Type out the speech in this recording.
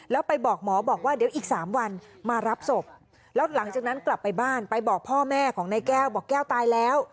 แล้วไปบอกหมอบอกว่าเดี๋ยวอีก๓วันมารับศพแล้วหลังจากนั้นกลับไปบ้านไปบอกพ่อแม่ของนายแก้วบอกแก้วตายแล้ว